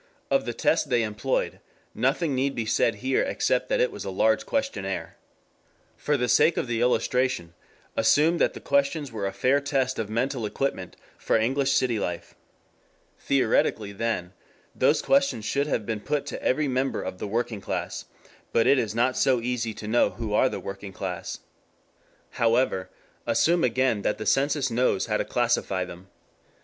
Of the test they employed nothing need be said here except that it was a large questionnaire. For the sake of the illustration, assume that the questions were a fair test of mental equipment for English city life. Theoretically, then, those questions should have been put to every member of the working class. But it is not so easy to know who are the working class. However, assume again that the census knows how to classify them.